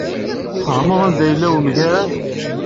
Tfehmed anda yella wemgerrad?